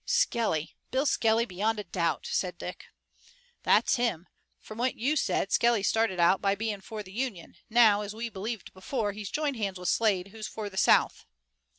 "Skelly! Bill Skelly, beyond a doubt!" said Dick. "That's him! From what you said Skelly started out by being for the Union. Now, as we believed before, he's joined hands with Slade who's for the South."